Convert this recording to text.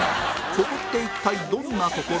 そこって一体どんなところ？